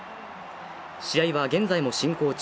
試合は現在も進行中。